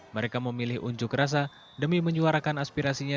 mereka memilih unjuk rasa demi menyuarakan aspirasinya